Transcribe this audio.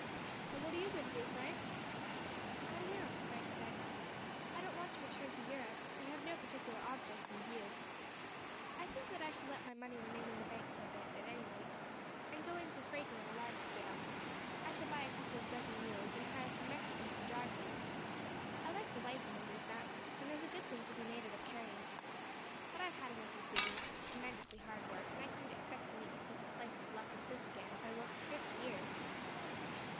"And what are you going to do, Frank?" "I don't know," Frank said. "I don't want to return to Europe, and have no particular object in view. I think that I shall let my money remain in the bank for a bit, at any rate, and go in for freighting on a large scale. I shall buy a couple of dozen mules, and hire some Mexicans to drive them. I like the life among these mountains, and there is a good thing to be made out of carrying. But I have had enough of digging; it's tremendously hard work, and I couldn't expect to meet with such a slice of luck as this again if I worked for fifty years."